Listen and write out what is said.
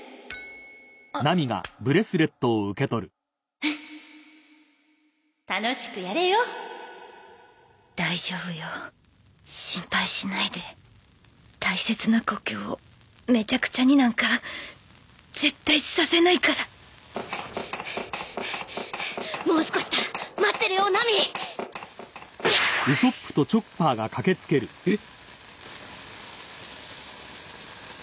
あっフッ楽しくやれよ大丈夫よ心配しないで大切な故郷をメチャクチャになんか絶対させないからもう少しだ待ってろよナミえっ！？